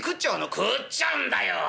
「食っちゃうんだよ。